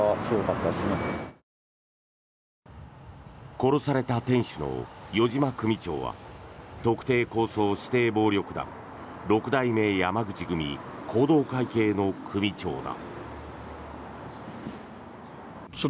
殺された店主の余嶋組長は特定抗争指定暴力団六代目山口組弘道会系の組長だ。